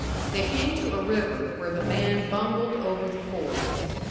They came to a river where the man bungled over the ford.